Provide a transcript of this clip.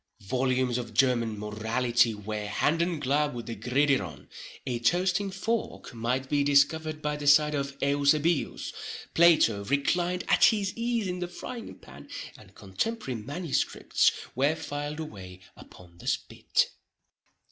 Volumes of German morality were hand and glove with the gridiron—a toasting fork might be discovered by the side of Eusebius—Plato reclined at his ease in the frying pan—and contemporary manuscripts were filed away upon the spit.